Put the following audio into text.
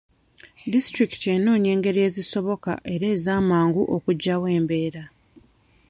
Disitulikiti enoonya engeri ezisoboka era ez'amangu okugyawo embeera.